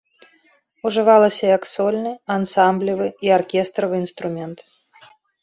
Ужывалася як сольны, ансамблевы і аркестравы інструмент.